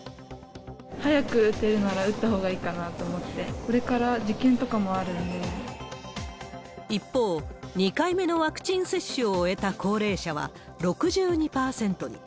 早く打てるなら打った方がいいかなと思って、これから受験と一方、２回目のワクチン接種を終えた高齢者は６２％に。